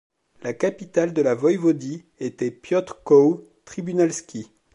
La capitale de la voïvodie était Piotrków Trybunalski.